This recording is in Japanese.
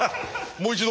もう一度。